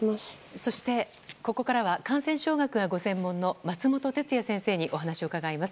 そして、ここからは感染症学がご専門の松本哲哉先生にお話を伺います。